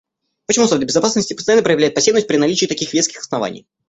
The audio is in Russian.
Почему Совет Безопасности постоянно проявляет пассивность при наличии таких веских оснований?